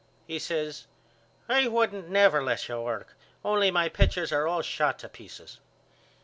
He says I wouldn't never let you work only my pitchers are all shot to pieces.